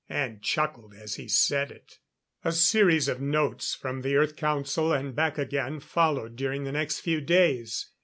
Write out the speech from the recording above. And chuckled as he said it. A series of notes from the Earth Council and back again, followed during the next few days.